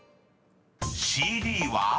［ＣＤは］